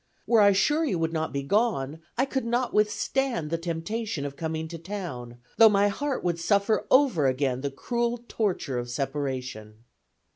Were I sure you would not be gone, I could not withstand the temptation of coming to town, though my heart would suffer over again the cruel torture of separation.